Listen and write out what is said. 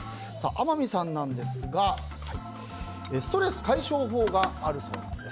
天海さんなんですがストレス解消法があるそうです。